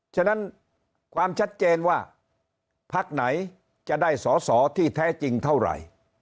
ฉะนั้นความชัดเจนว่าพักไหนจะได้สอสอที่แท้จริงเท่าไหร่